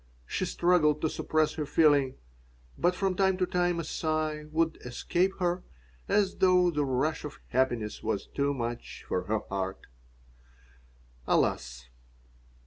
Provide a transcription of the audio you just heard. She struggled to suppress her feeling, but from time to time a sigh would escape her, as though the rush of happiness was too much for her heart Alas!